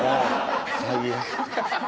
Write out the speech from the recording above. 最悪。